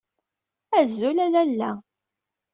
Azul a lalla.